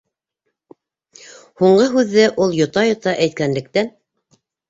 —Һуңғы һүҙҙе ул йота-йота әйткәнлектән